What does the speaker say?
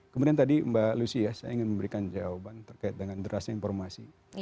kemudian tadi mbak lucy ya saya ingin memberikan jawaban terkait dengan derasnya informasi